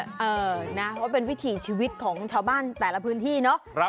เพราะเป็นวิถีชีวิตของชาวบ้านแต่ละพื้นที่เนาะ